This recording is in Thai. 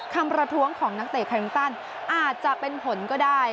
ประท้วงของนักเตะแคลินตันอาจจะเป็นผลก็ได้